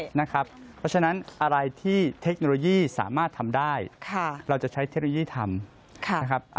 เพราะฉะนั้นอะไรที่เทคโนโลยีสามารถทำได้เราจะใช้เทคโนโลยีทำนะครับ